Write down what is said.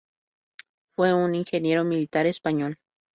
Fue un ingeniero militar español.